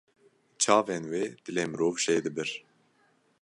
Çavên wê dilê mirov jê dibir.